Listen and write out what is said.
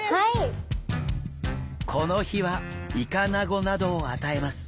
この日はイカナゴなどを与えます。